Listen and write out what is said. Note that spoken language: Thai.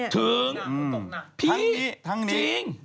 ถึงทั้งนี้